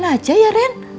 ya makan aja ya ren